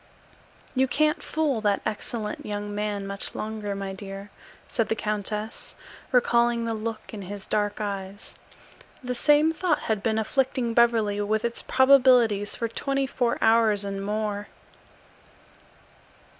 "You can't fool that excellent young man much longer, my dear," said the countess, recalling the look in his dark eyes. The same thought had been afflicting Beverly with its probabilities for twenty four hours and more.